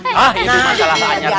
nah ini masalahnya